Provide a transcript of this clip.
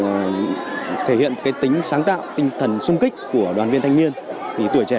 một cái tính sáng tạo tinh thần sung kích của đoàn viên thanh niên thì tuổi trẻ